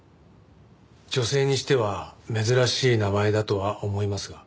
女性にしては珍しい名前だとは思いますが。